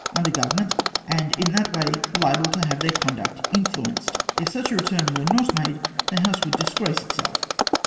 under Government, and in that way liable to have their conduct influenced. If such a return were not made, tfie House ivould disgrace itself.